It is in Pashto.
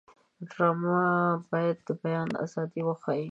ډرامه باید د بیان ازادي وښيي